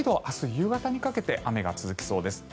夕方にかけて雨が続きそうです。